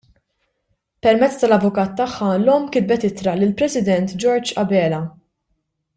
Permezz tal-avukat tagħha l-omm kitbet ittra lill-President George Abela.